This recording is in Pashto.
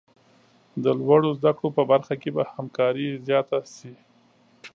د لوړو زده کړو په برخه کې به همکاري زیاته شي.